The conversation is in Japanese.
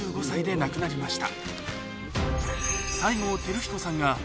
亡くなりました